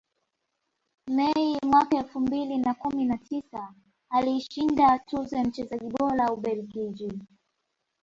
Mei mwaka elfu mbili na kumi na tisa aliishinda tuzo ya mchezaji bora Ubelgiji